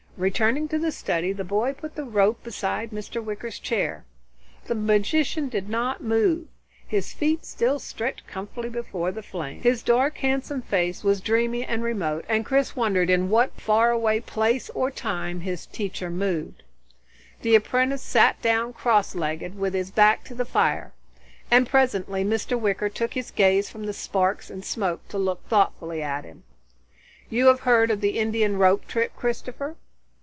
Returning to the study, the boy put the rope beside Mr. Wicker's chair. The magician did not move, his feet still stretched comfortably towards the flames. His dark handsome face was dreamy and remote, and Chris wondered in what faraway place or time his teacher moved. The apprentice sat down cross legged with his back to the fire, and presently Mr. Wicker took his gaze from the sparks and smoke to look thoughtfully at him. "You have heard of the Indian rope trick, Christopher?"